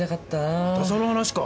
またその話か。